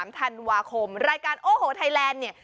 ๓ธันวาคมรายการโอ้โหไทยแลนด์เนี่ย